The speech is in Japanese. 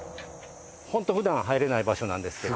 ホントふだん入れない場所なんですけど。